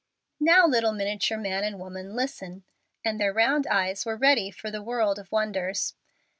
"Now, little miniature man and woman, listen!" and their round eyes were ready for the world of wonders.